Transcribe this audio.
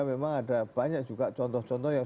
memang ada banyak juga contoh contoh yang